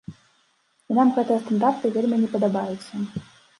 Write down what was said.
І нам гэтыя стандарты вельмі не падабаюцца.